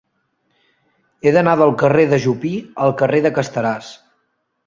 He d'anar del carrer de Jupí al carrer de Casteràs.